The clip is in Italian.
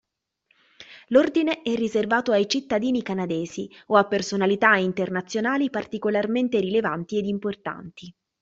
L'Ordine è riservato ai cittadini canadesi, o a personalità internazionali particolarmente rilevanti ed importanti.